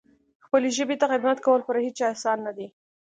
خپلې ژبې ته خدمت کول پر هیچا احسان نه دی.